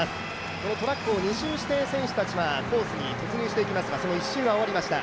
このトラックを２周して、選手たちはコースに突入していきますがその１周が終わりました。